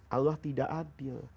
allah tidak adil